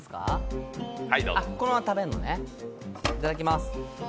このまま食べるのねいただきます。